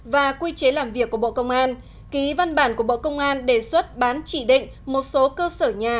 và quy chế làm việc của bộ công an ký văn bản của bộ công an đề xuất bán chỉ định một số cơ sở nhà